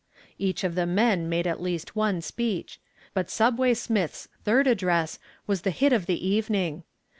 Each of the men made at least one speech, but "Subway" Smith's third address was the hit of the evening.